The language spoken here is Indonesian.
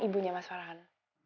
ibunya mas farhan